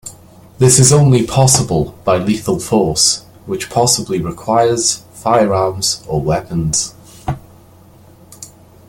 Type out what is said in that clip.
This is only possible by lethal force, which possibly requires firearms or weapons.